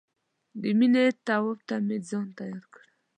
د مینې طواف ته مې ځان تیار کړ.